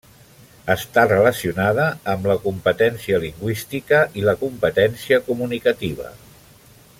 Està relacionada amb la competència lingüística i la competència comunicativa.